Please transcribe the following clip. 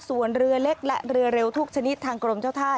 ส่วนเรือเล็กและเรือเร็วทุกชนิดทางกรมเจ้าท่า